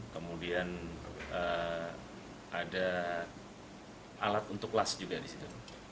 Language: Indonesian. kemudian ada alat untuk kelas juga disitu